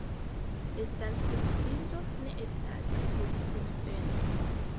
Estrarkunsido ne estas klubkunveno.